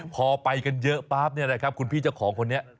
พอไปกันเยอะปั๊บเนี่ยนะครับคุณพี่เจ้าของคนนี้